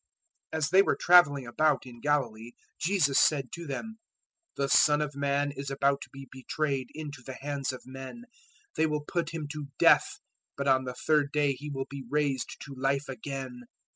017:022 As they were travelling about in Galilee, Jesus said to them, "The Son of Man is about to be betrayed into the hands of men; 017:023 they will put Him to death, but on the third day He will be raised to life again."